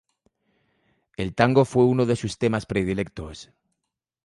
El tango fue uno de sus temas predilectos.